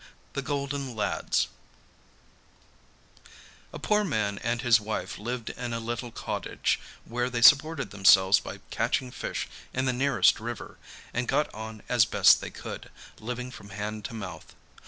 THE GOLDEN LADS A poor man and his wife lived in a little cottage, where they supported themselves by catching fish in the nearest river, and got on as best they could, living from hand to mouth.